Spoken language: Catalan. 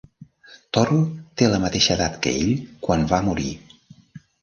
Toro té la mateixa edat que ell quan va morir.